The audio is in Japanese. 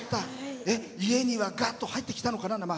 家にはがっと入ってきたのかな。